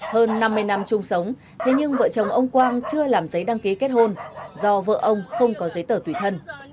hơn năm mươi năm chung sống thế nhưng vợ chồng ông quang chưa làm giấy đăng ký kết hôn do vợ ông không có giấy tờ tùy thân